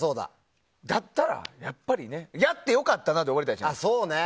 だったら、やっぱりやって良かったで終わりたい。